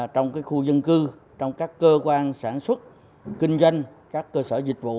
trong khu dân cư trong các cơ quan sản xuất kinh doanh các cơ sở dịch vụ